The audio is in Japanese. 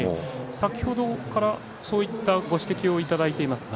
先ほどからそういったご指摘をいただいております。